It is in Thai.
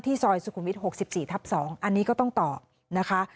ซอยสุขุมวิทย์๖๔ทับ๒อันนี้ก็ต้องตอบนะคะ